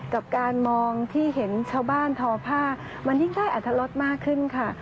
กับการมองที่เห็นชาวบ้านทอผ้ามันยิ่งได้อัธรสมากขึ้นค่ะ